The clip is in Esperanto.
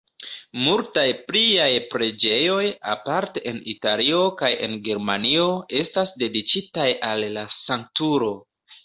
Multaj pliaj preĝejoj, aparte en Italio kaj en Germanio, estas dediĉitaj al la sanktulo.